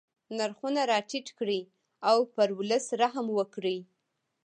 نرخونه را ټیټ کړي او پر ولس رحم وکړي.